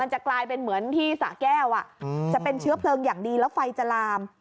จะกลายเป็นเหมือนที่สะแก้วจะเป็นเชื้อเพลิงอย่างดีแล้วไฟจะลาม